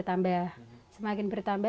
sebelum mulai mengajak